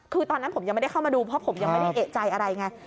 คือตอนนั้นผมยังไม่ได้เข้ามาดูเพราะผมยังไม่ได้เอกใจอะไรไง